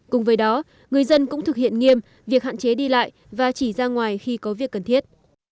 cùng với đó người dân cũng thực hiện nghiêm việc hạn chế đi lại và chỉ ra ngoài khi có việc cần thiết